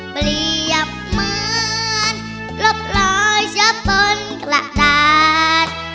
บรียักษ์เหมือนรบรอยเฉพาะบนกระดาษ